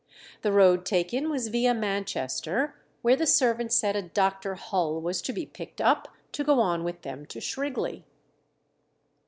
The road taken was viâ Manchester, where the servant said a Dr. Hull was to be picked up to go on with them to Shrigley.